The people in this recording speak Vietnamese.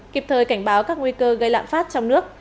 kịp thời cảnh báo các nguy cơ gây lạm phát trong nước